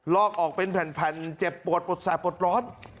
อกออกเป็นแผ่นเจ็บปวดปวดแสบปวดร้อน